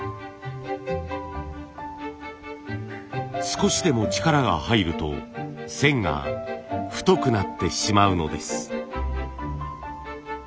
少しでも力が入ると線が太くなってしまうのです。